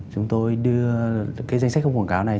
chúng tôi đưa cái danh sách không quảng cáo này